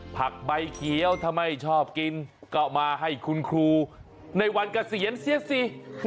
ผักใบเขียวถ้าไม่ชอบกินก็มาให้คุณครูในวันเกษียณเสียสิ